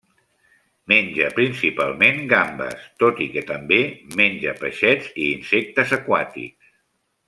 Menja principalment gambes, tot i que també menja peixets i insectes aquàtics.